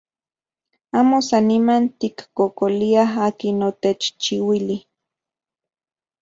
Amo san niman tikkokoliaj akin otechchiuili.